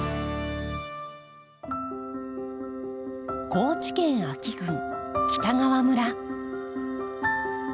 高知県安芸郡北川村。